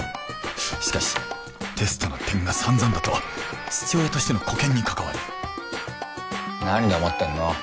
しかしテストの点が散々だと父親としての沽券に関わる何黙ってんの？